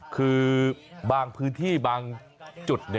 คือบางพื้นที่บางจุด